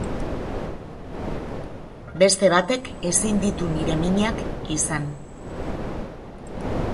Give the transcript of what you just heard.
Beste batek ezin ditu nire minak izan.